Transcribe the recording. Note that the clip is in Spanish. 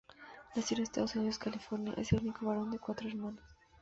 Nació en Estados Unidos, California es el único varón de cuatro hermanas.